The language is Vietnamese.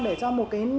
để cho một cái